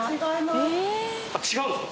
違うんですか？